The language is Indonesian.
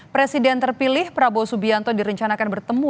presiden terpilih prabowo subianto direncanakan bertemu